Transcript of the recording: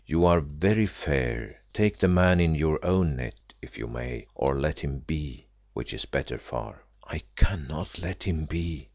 You are very fair; take the man in your own net, if you may, or let him be, which is better far." "I cannot let him be.